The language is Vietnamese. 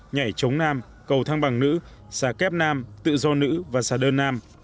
nhảy chống nam cầu thang bằng nữ xa kép nam tự do nữ và xa đơn nam